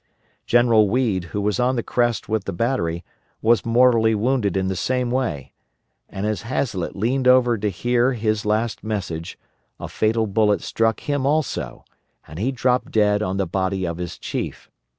General Weed, who was on the crest with the battery, was mortally wounded in the same way; and as Hazlett leaned over to hear his last message, a fatal bullet struck him also and he dropped dead on the body of his chief.